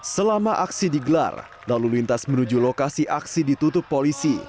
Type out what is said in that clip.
selama aksi digelar lalu lintas menuju lokasi aksi ditutup polisi